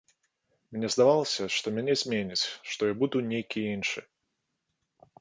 Мне здавалася, што мяне зменіць, што я буду нейкі іншы.